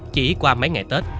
chỉ qua mấy ngày tết